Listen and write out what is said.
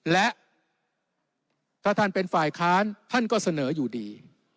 และถ้าท่านเป็นฝ่ายค้านท่านก็เสนออยู่ดี